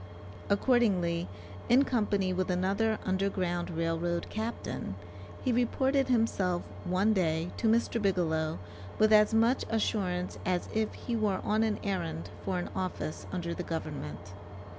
Accordingly in company with another Underground Rail Road captain, he reported himself one day to Mr. Bigelow with as much assurance as if he were on an errand for an office under the government.